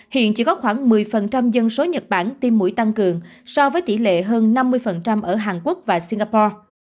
hiện chỉ có khoảng một mươi dân số nhật bản tiêm mũi tăng cường so với tỷ lệ hơn năm mươi ở hàn quốc và singapore